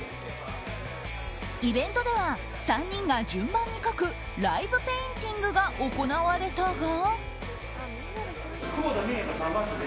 イベントでは３人が順番に描くライブペインティングが行われたが。